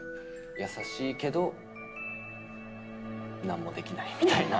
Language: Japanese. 「優しいけど何もできない」みたいな。